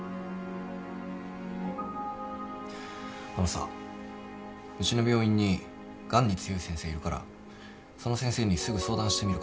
あのさうちの病院にがんに強い先生いるからその先生にすぐ相談してみるからさ